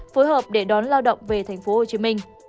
phối hợp để đón lao động về tp hcm